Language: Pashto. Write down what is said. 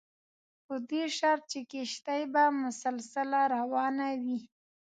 په دې شرط چې کښتۍ به مسلسله روانه وي.